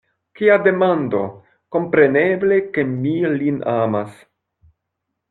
Kia demando! kompreneble, ke mi lin amas.